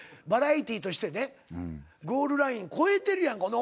バラエティーとしてねゴールライン越えてるやん。